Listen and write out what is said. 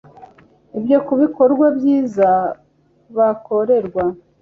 Ibyo kubikorwa byiza bakorerwa